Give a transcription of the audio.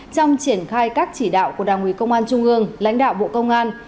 trong triển khai các chỉ đạo của đảng ủy công an trung ương lãnh đạo bộ công an